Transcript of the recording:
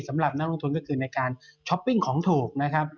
สำหรับนักลงทุนก็คือในการช้อปปิ้งของถูกนะครับ